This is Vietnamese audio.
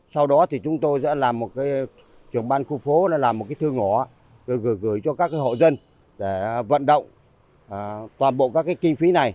sau đó thì chúng tôi sẽ làm một cái trường ban khu phố làm một cái thư ngõ gửi cho các hộ dân để vận động toàn bộ các kinh phí này